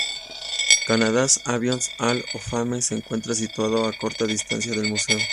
Canada’s Aviation Hall Of Fame se encuentra situado a corta distancia del museo.